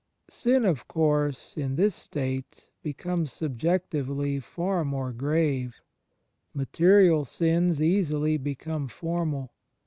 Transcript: Sin, of course, in this state, becomes subjectively, far more grave: "material" sins easily become "formal."